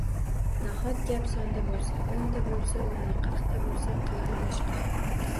Nahot gap sonda boʻlsa?! Oʻnta boʻlsa oʻrni, qirqta boʻlsa qiligʻi boshqa.